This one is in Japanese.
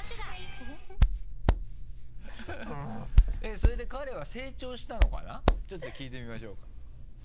それで彼は成長したのかなちょっと聞いてみましょうか。